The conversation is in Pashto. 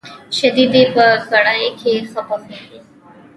شيدې په کړايي کي ښه پخېږي.